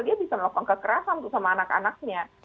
dia bisa melokong kekerasan tuh sama anak anaknya